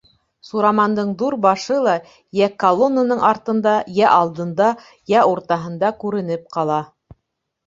Сурамандың ҙур башы ла йә колоннаның артында, йә алдында, йә уртаһында күренеп ҡала.